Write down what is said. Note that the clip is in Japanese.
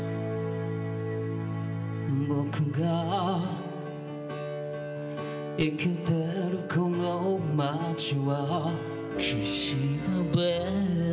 「僕が生きてるこの街は」